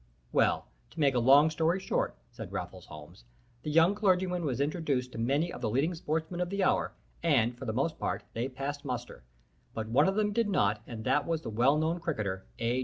"Well, to make a long story short," said Raffles Holmes, "the young clergyman was introduced to many of the leading sportsmen of the hour, and, for the most part, they passed muster, but one of them did not, and that was the well known cricketer A.